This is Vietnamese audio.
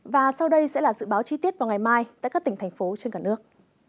và sau đây sẽ là dự báo chi tiết vào ngày mai tại các tỉnh thành phố trên cả nước